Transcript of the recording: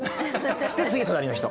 で次隣の人。